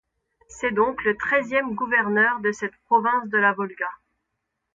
C'est donc le treizième gouverneur de cette province de la Volga.